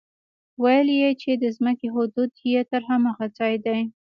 ويل يې چې د ځمکې حدود يې تر هماغه ځايه دي.